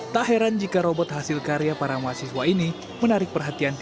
tak heran jika robot hasil karya para mahasiswa ini menarik perhatian